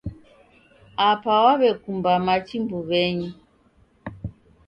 Apa waw'ekumba machi mbuw'enyi.